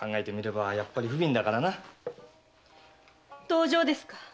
同情ですか。